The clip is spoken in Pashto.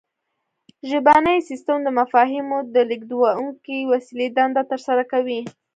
ژبنی سیستم د مفاهیمو د لیږدونکې وسیلې دنده ترسره کوي